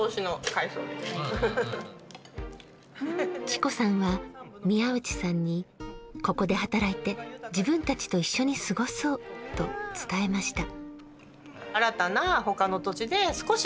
智子さんは宮内さんにここで働いて自分たちと一緒に過ごそうと伝えました。